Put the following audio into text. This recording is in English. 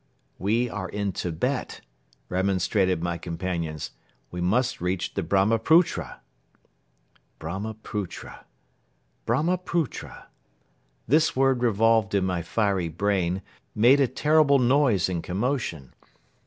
"We are in Tibet," remonstrated my companions. "We must reach the Brahmaputra." Brahmaputra. ... Brahmaputra. ... This word revolved in my fiery brain, made a terrible noise and commotion.